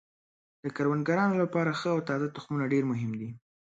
د کروندګرانو لپاره ښه او تازه تخمونه ډیر مهم دي.